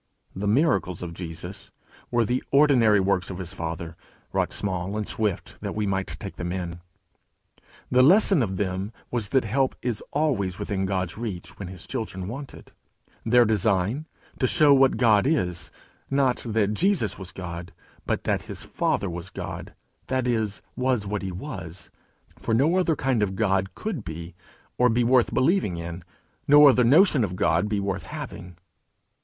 The miracles of Jesus were the ordinary works of his Father, wrought small and swift that we might take them in. The lesson of them was that help is always within God's reach when his children want it their design, to show what God is not that Jesus was God, but that his Father was God that is, was what he was, for no other kind of God could be, or be worth believing in, no other notion of God be worth having.